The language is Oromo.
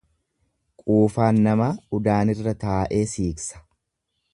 Quufaan namaa udaanirra taa'ee siiksa.